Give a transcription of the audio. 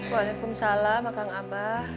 waalaikumsalam makang abah